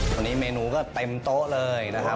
ตอนนี้เมนูก็เต็มโต๊ะเลยนะครับ